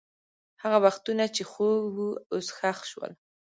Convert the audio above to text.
هغه وختونه چې خوږ وو، اوس ښخ شول.